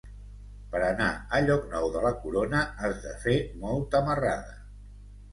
Per anar a Llocnou de la Corona has de fer molta marrada.